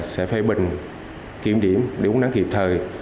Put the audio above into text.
sẽ phê bình kiểm điểm để uống nắng kịp thời